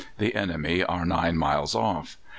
The enemy are nine miles off.